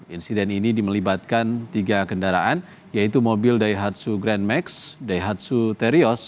insiden ini dimelibatkan tiga kendaraan yaitu mobil daihatsu grand max daihatsu terryos